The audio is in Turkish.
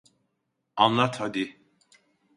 Anlat hadi.